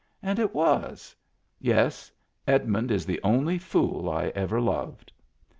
And it was. Yes, Edmund is the only fool I ever loved.